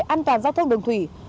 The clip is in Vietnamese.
an toàn giao thông đường thủy